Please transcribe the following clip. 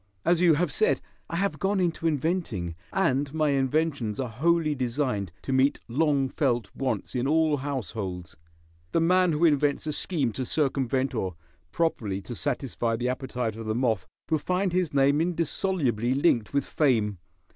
As you have said, I have gone into inventing, and my inventions are wholly designed to meet long felt wants in all households. The man who invents a scheme to circumvent or properly to satisfy the appetite of the moth will find his name indissolubly linked with fame.